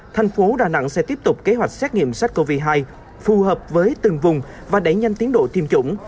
thành phố đà nẵng sẽ tiếp tục kế hoạch xét nghiệm sars cov hai phù hợp với từng vùng và đẩy nhanh tiến độ tiêm chủng